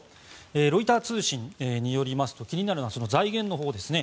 ロイター通信によりますと気になるのはその財源のほうですね。